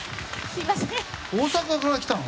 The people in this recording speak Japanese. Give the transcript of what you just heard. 大阪から来たの？